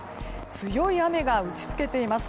強い雨が打ち付けています。